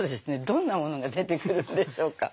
どんなものが出てくるんでしょうか。